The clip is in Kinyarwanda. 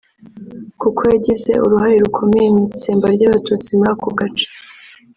kuko yagize uruhare rukomeye mu itsembwa ry’abatutsi muri ako gace